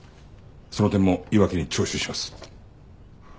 その点も岩城に聴取します。